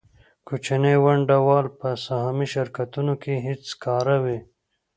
کوچني ونډه وال په سهامي شرکتونو کې هېڅکاره وي